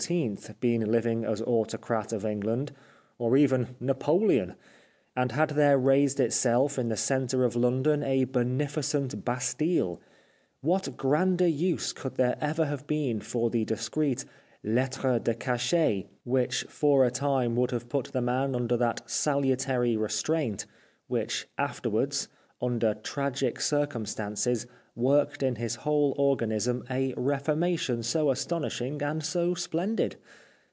been hving as autocrat of England, or even Napoleon, and had there raised itself in the centre of London a beneficent Bastille, what grander use could there ever have been for the discreet lettre de cachet, which for a time would have put the man under that salutary restraint, which afterwards, under tragic circumstances, worked in his whole organism a reformation so astonishing and so splendid